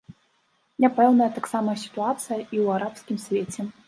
Няпэўная таксама сітуацыя і ў арабскім свеце.